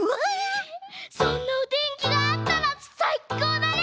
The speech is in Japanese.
そんなおてんきがあったらさいこうだね！